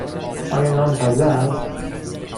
آیا نان تازه است؟